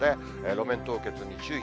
路面凍結に注意。